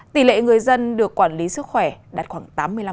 tỷ lệ người dân được quản lý sức khỏe đạt khoảng tám mươi năm